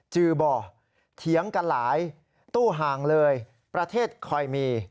จือบ่อเถียงกันหลายตู้ห่างเลยประเทศคอยมี